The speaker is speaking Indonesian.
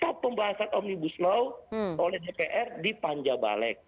stop pembahasan omnibus law oleh dpr di panjabaleg